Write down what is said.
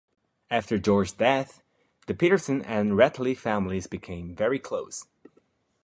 After George's death, the Peterson and Ratliff families became very close.